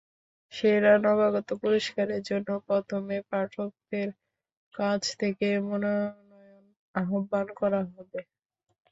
সেরা নবাগত পুরস্কারের জন্য প্রথমে পাঠকদের কাছ থেকে মনোনয়ন আহ্বান করা হবে।